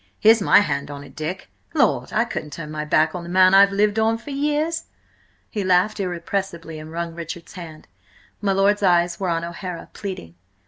Here's my hand on it, Dick! Lord! I couldn't turn my back on the man I've lived on for years!" He laughed irrepressibly, and wrung Richard's hand. My lord's eyes were on O'Hara, pleading.